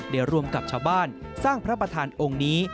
รวมกับชาวบ้านสร้างพระประธานองค์นี้